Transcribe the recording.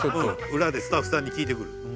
裏でスタッフさんに聞いてくる。